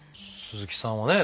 鈴木さんはね